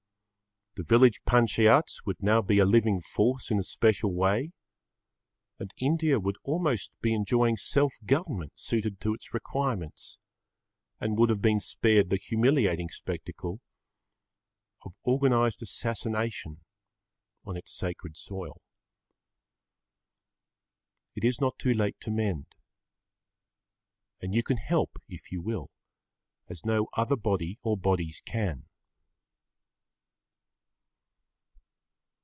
The village panchayats would be now a living force in a special way, and India would almost be enjoying self government suited to its requirements and would have been spared the humiliating spectacle of organised assassination on its sacred soil. It is not too late to mend. And you can help if you will, as no other body or bodies can.